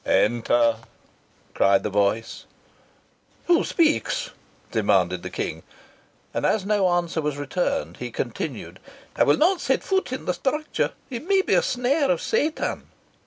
"Enter!" cried the voice. "Wha speaks?" demanded the King. And, as no answer was returned, he continued "I will not set foot in the structure. It may be a snare of Satan."